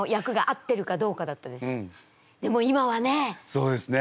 そうですね。